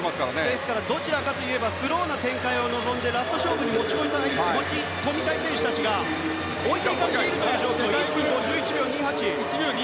ですからどちらかといえばスローな展開を望んでラスト勝負に持ち込みたい選手たちが置いていかれている展開。